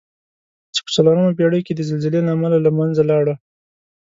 چې په څلورمه پېړۍ کې د زلزلې له امله له منځه لاړه.